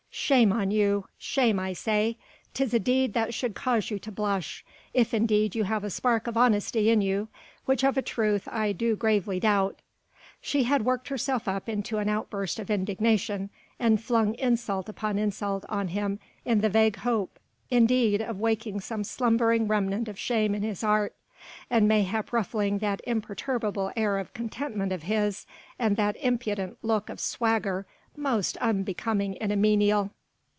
Shame on you! shame I say! 'tis a deed that should cause you to blush, if indeed you have a spark of honesty in you, which of a truth I do gravely doubt." She had worked herself up into an outburst of indignation and flung insult upon insult on him in the vague hope indeed of waking some slumbering remnant of shame in his heart, and mayhap ruffling that imperturbable air of contentment of his, and that impudent look of swagger most unbecoming in a menial.